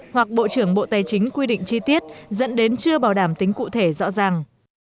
hoặc bộ trưởng bộ tài chính quy định chi tiết dẫn đến chưa bảo đảm tính cụ thể rõ ràng